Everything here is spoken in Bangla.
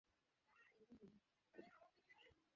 অন্যথায় এক নিকটবর্তী আযাব তোমাদেরকে পাকড়াও করবে।